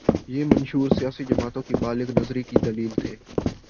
یہ منشور سیاسی جماعتوں کی بالغ نظری کی دلیل تھے۔